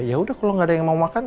yaudah kalau gak ada yang mau makan